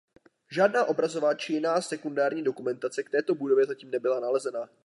Žádná obrazová či jiná sekundární dokumentace k této budově zatím nebyla nalezena.